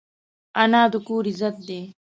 انا د کور عزت ده